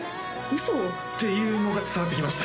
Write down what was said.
嘘っていうのが伝わってきました